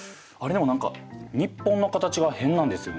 でも何か日本の形が変なんですよね。